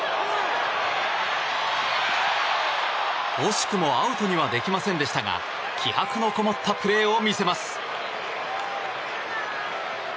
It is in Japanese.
惜しくもアウトにはできませんでしたが気迫のこもったプレーを見せます。